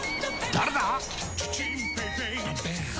誰だ！